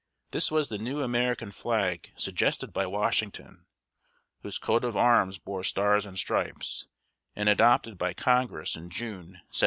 This was the new American flag suggested by Washington whose coat of arms bore stars and stripes and adopted by Congress in June, 1777.